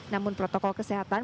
namun protokol kesehatan